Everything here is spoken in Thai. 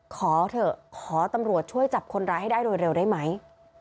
ขอเถอะขอตำรวจช่วยจับคนร้ายให้ได้โดยเร็วได้ไหม